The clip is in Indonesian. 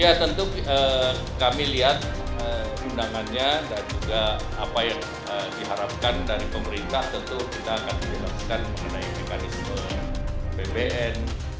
ya tentu kami lihat undangannya dan juga apa yang diharapkan dari pemerintah tentu kita akan menjelaskan mengenai mekanisme bpn